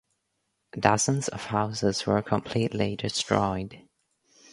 Dozens of houses were completely destroyed.